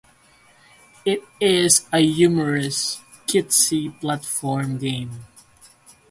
It is a humorous, cutesy platform game.